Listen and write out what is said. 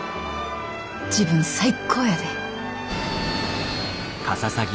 自分最高やで！